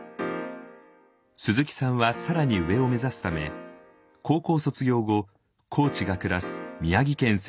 鈴木さんは更に上を目指すため高校卒業後コーチが暮らす宮城県仙台市の大学に進学。